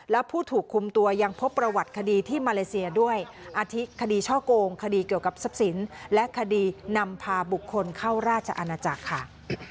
และผู้ถูกคุมตัวยังพบประวัติคดีที่มาเลเซียด้วยอาทิตคดีช่อโกงคดีเกี่ยวกับทรัพย์สินและคดีนำพาบุคคลเข้าราชอาณาจักรค่ะ